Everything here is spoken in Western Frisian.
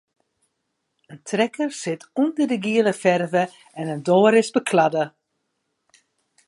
In trekker sit ûnder de giele ferve en in doar is bekladde.